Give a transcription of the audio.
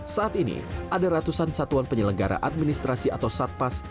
saat ini ada ratusan satuan penyelenggara administrasi atau satpas